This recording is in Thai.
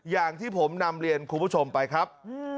อย่างที่ผมนำเรียนคุณผู้ชมไปครับ